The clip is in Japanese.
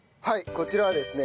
こちらはですね